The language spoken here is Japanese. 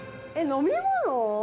飲み物？